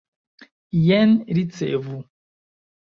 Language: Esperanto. Jen, ricevu!